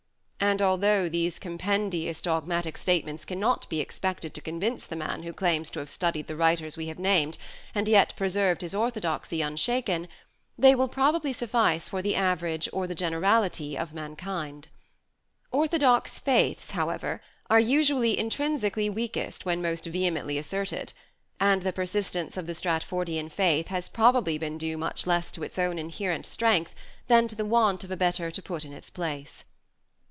And although these com pendious dogmatic statements cannot be expected to convince the man who claims to have studied the writers we have named and yet preserved his orthodoxy unshaken, they will probably suffice for the average or the generality of mankind. Orthodox faiths, however, are usually intrinsically weakest when most vehemently asserted ; and the persistence of the Stratfordian faith has probably been due much less to its own inherent strength than to the want of a better to put in its place.